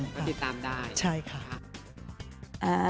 ก็ติดตามได้ใช่ค่ะ